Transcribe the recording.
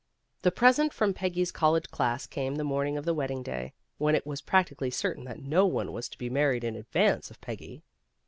" The present from Peggy's college class came the morning of the wedding day, when it was practically certain that no one was to be married in advance of Peggy.